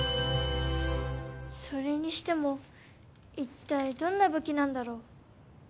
それにしてもいったいどんな武器なんだろう。